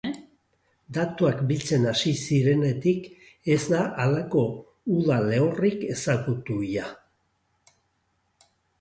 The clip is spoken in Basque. Datuak biltzen hasi zirenetik ez da halako uda lehorrik ezagutu ia.